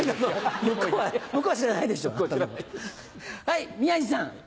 はい宮治さん。